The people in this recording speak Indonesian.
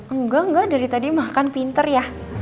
enggak enggak dari tadi makan pinter ya